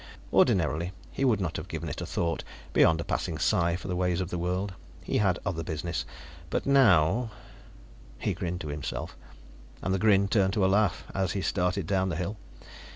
Ordinarily, he would not have given it a thought, beyond a passing sigh for the ways of the world; he had other business. But now He grinned to himself, and the grin turned to a laugh as he started down the hill.